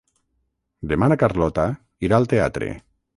Demà na Carlota irà al teatre.